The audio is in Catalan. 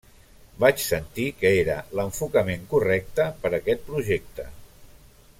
Vaig sentir que era l'enfocament correcte per aquest projecte.